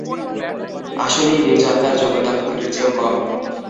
আসলেই মির্জা আপনার যোগ্যতা, ফকিরের চেয়েও কম।